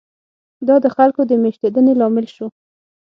دا د خلکو د مېشتېدنې لامل شو.